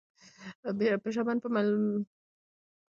پښتانه په میوند کې وجنګېدل.